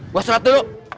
gua sholat dulu